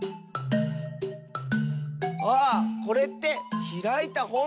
あっこれってひらいたほんだよね？